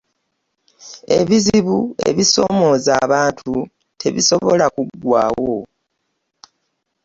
Ebizibu ebisoomooza abantu tebisobola kuggwaawo.